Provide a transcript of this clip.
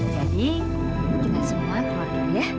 jadi kita semua keluar dulu ya